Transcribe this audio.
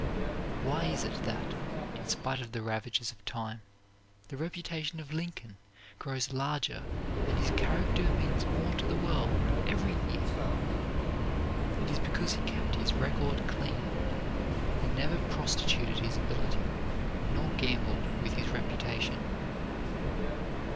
Why is it that, in spite of the ravages of time, the reputation of Lincoln grows larger and his character means more to the world every year? It is because he kept his record clean, and never prostituted his ability nor gambled with his reputation.